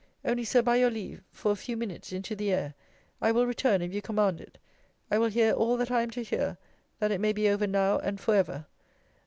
Only, Sir, by your leave, for a few minutes into the air. I will return, if you command it. I will hear all that I am to hear; that it may be over now and for ever.